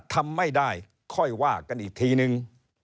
ทำไม่ได้ค่อยว่ากันอีกทีนึง